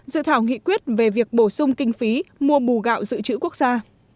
dự thảo nghị quyết về việc bổ sung kinh phí mua bù gạo dự trữ quốc gia